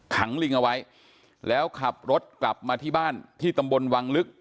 ลิงเอาไว้แล้วขับรถกลับมาที่บ้านที่ตำบลวังลึก